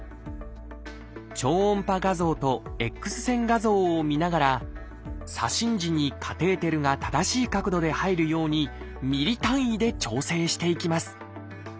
超音波画像とエックス線画像を見ながら左心耳にカテーテルが正しい角度で入るようにミリ単位で調整していきます。